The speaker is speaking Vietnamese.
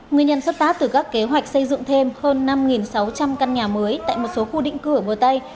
nguyên nhân xuất phát từ các kế hoạch xây dựng thêm hơn năm sáu trăm linh căn nhà mới tại một số khu định cư ở bờ tây